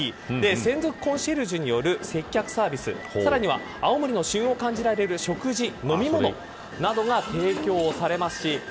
専属コンシェルジュによる接客サービス、さらには青森の旬を感じられる食べ物、飲み物が提供されます。